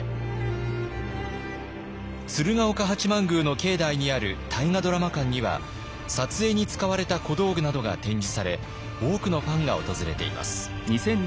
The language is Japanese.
鶴岡八幡宮の境内にある大河ドラマ館には撮影に使われた小道具などが展示され多くのファンが訪れています。